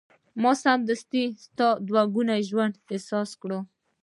ما سمدستي ستا دوه ګونی ژوند احساس کړ.